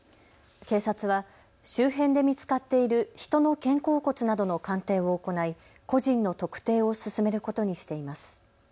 警察は周辺で見つかっている人の肩甲骨などの鑑定を行い個人の特定を進めることにしています。